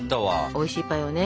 おいしいパイをね